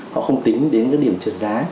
họ không tính đến các điểm trượt giá